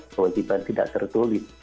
kewajiban tidak tertulis